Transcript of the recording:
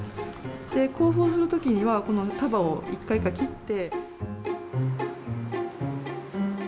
交付をするときには、この束を一回一回切って。